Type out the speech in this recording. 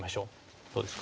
どうですか？